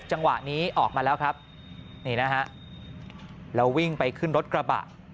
จังหวะนี้ออกมาแล้วครับนี่นะฮะแล้ววิ่งไปขึ้นรถกระบะ